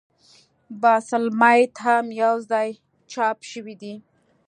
بحث المیت هم یو ځای چاپ شوی دی.